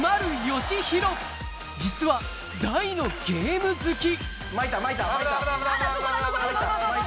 実は大のゲーム好き